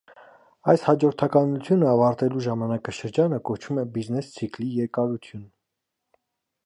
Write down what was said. Այս հաջորդականությունը ավարտելու ժամանակաշրջանը կոչվում է բիզնես ցիկլի երկարություն։